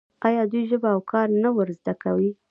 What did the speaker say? آیا دوی ژبه او کار نه ور زده کوي؟